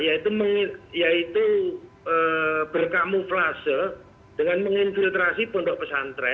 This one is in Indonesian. yaitu berkamuflase dengan menginfiltrasi pondok pesantren